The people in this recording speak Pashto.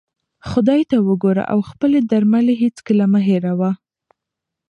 خدای ته وګوره او خپلې درملې هیڅکله مه هېروه.